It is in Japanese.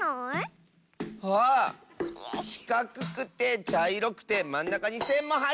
しかくくてちゃいろくてまんなかにせんもはいってる！